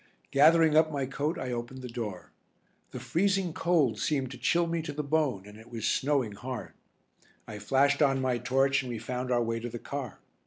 Gathering up my coat I opened the door. The freezing cold seemed to chill me to the bone, and it was snowing hard. I flashed on my torch and we found our way to the car.